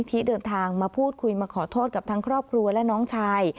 ที่เดินทางมาพูดคุยมาขอโทษกับทั้งครอบครัวและน้องชาย